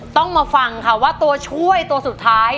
ต้องมาฟังค่ะว่าตัวช่วยตัวสุดท้าย